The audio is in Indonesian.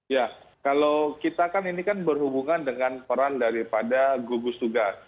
ya kalau kita kan ini kan berhubungan dengan peran daripada gugus tugas